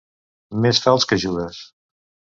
Més fals que Judes.